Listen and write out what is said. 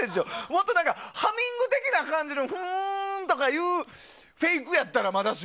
もっとハミング的な感じのフフーンとかのフェイク？